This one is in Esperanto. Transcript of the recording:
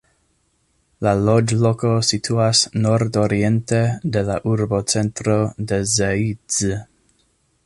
La loĝloko situas nordoriente de la urbocentro de Zeitz.